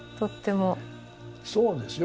そうですよ。